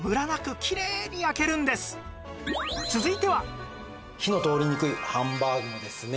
さらに火の通りにくいハンバーグもですね